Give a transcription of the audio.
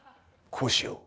こうしよう。